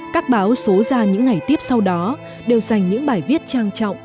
các báo số ra những ngày tiếp sau đó đều dành những bài viết trang trọng